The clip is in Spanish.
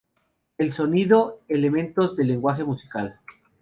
El sonido, elementos del lenguaje musical.